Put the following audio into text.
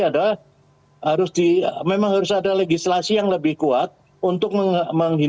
ada harus di memang harus ada legislasi yang lebih kuat untuk menghindari atau mengabaikan